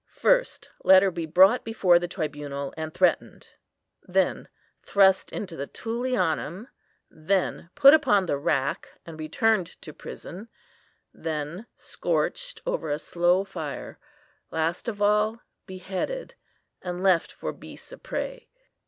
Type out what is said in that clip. First, let her be brought before the tribunal and threatened: then thrust into the Tullianum; then put upon the rack, and returned to prison; then scorched over a slow fire; last of all, beheaded, and left for beasts of prey.